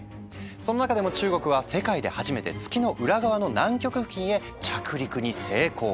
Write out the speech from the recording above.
その中でも中国は世界で初めて月の裏側の南極付近へ着陸に成功。